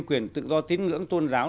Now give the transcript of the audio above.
quyền tự do tín ngưỡng tôn giáo